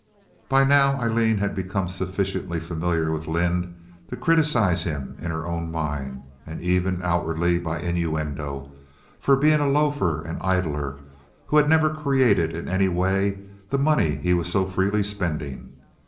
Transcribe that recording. By now Aileen had become sufficiently familiar with Lynde to criticize him in her own mind, and even outwardly by innuendo, for being a loafer and idler who had never created in any way the money he was so freely spending.